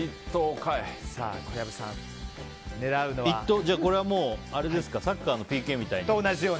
じゃあサッカーのＰＫみたいな？